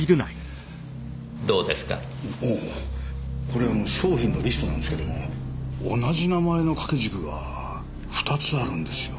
これ商品のリストなんですけども同じ名前の掛け軸が２つあるんですよ。